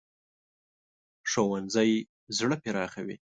ښوونځی زړه پراخوي